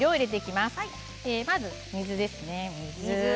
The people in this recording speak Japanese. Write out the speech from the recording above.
まず、お水ですね。